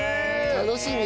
楽しみ！